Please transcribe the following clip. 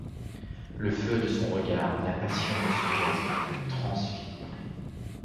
Le feu de son regard, la passion de son geste, le transfiguraient.